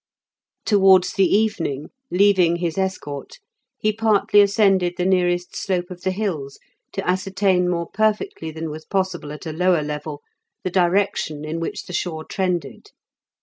Towards the evening, leaving his escort, he partly ascended the nearest slope of the hills to ascertain more perfectly than was possible at a lower level the direction in which the shore trended.